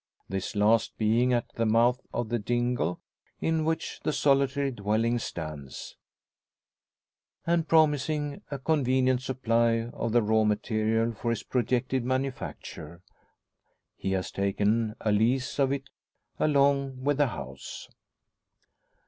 This last being at the mouth of the dingle in which the solitary dwelling stands and promising a convenient supply of the raw material for his projected manufacture he has taken a lease of it along with the house.